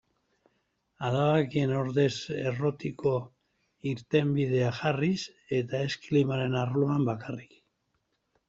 Adabakien ordez errotiko irtenbideak jarriz, eta ez klimaren arloan bakarrik.